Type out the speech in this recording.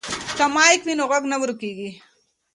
که مایک وي نو غږ نه ورکیږي.